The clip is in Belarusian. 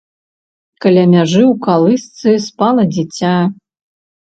Каля мяжы ў калысцы спала дзіця.